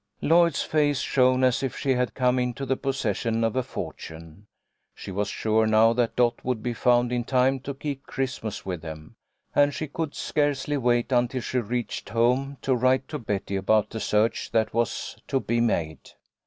Lloyd's face shone as if she had come into the possession of a fortune. She was sure now that Dot would be found in time to keep Christmas with them, and she could scarcely wait until she reached home to write to Betty about the search that was to be made.